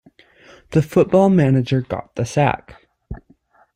The football manager got the sack.